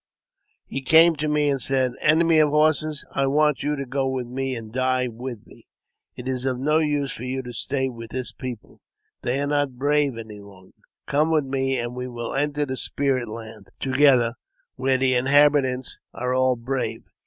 He came to me and said, " Enemy of Horses, I want you to go with me and die with me. It is of no use for you to stay with this people ; they are not brave any longer. Come with me, and we will enter the spirit land together, where the in JAMES P. BECKWOUBTH. 161 habitants are all brave.